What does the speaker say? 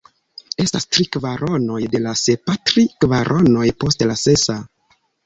Estas tri kvaronoj de la sepa tri kvaronoj post la sesa.